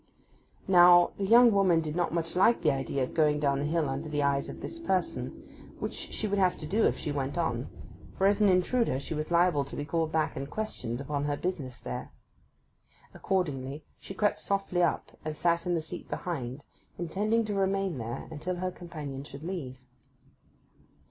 Now the young woman did not much like the idea of going down the hill under the eyes of this person, which she would have to do if she went on, for as an intruder she was liable to be called back and questioned upon her business there. Accordingly she crept softly up and sat in the seat behind, intending to remain there until her companion should leave.